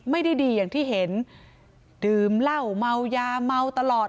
ไม่ได้ดีอย่างที่เห็นดื่มเหล้าเมายาเมาตลอด